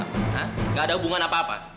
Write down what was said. hah gak ada hubungan apa apa